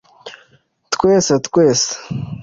twese twese